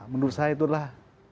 menurut saya itu adalah